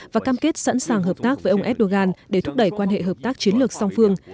và cam kết sẵn sàng hợp tác với ông erdogan để thúc đẩy quan hệ hợp tác chiến lược song phương